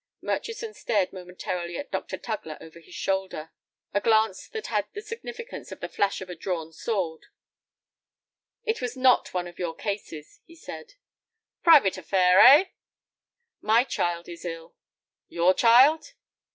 Murchison stared momentarily at Dr. Tugler over his shoulder, a glance that had the significance of the flash of a drawn sword. "It was not one of your cases," he said. "Private affair, eh?" "My child is ill." "Your child?"